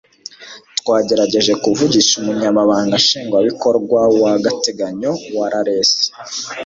twagerageje kuvugisha umunyabanga nshingwabikorwa w'agatenganyo wa ralc